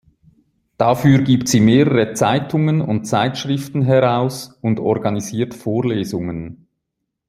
Dafür gibt sie mehrere Zeitungen und Zeitschriften heraus und organisiert Vorlesungen.